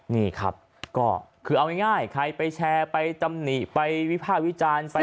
นี่ครับก็คือเอาง่ายใครไปแชร์ไปตำหนิไปวิภาควิจารณ์